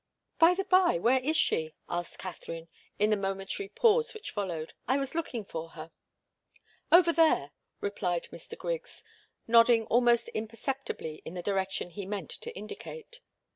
"By the bye, where is she?" asked Katharine, in the momentary pause which followed. "I was looking for her." "Over there," replied Mr. Griggs, nodding almost imperceptibly in the direction he meant to indicate.